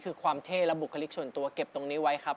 คือความเท่และบุคลิกส่วนตัวเก็บตรงนี้ไว้ครับ